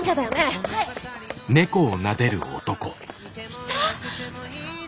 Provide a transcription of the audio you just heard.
いた。